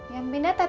ya pindah tat